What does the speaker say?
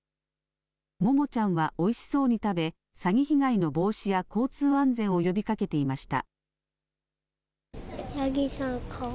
ももちゃんはおいしそうに食べ詐欺被害の防止や交通安全を呼びかけていました。